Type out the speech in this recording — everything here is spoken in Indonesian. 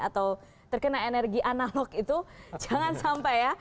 atau terkena energi analog itu jangan sampai ya